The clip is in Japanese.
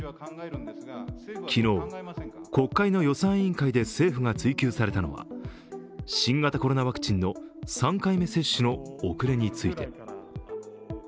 昨日、国会の予算委員会で政府が追及されたのは新型コロナワクチンの３回目接種の遅れについて。